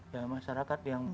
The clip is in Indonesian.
ya masyarakat yang